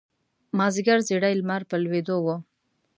مازیګر زیړی لمر په لویېدو و.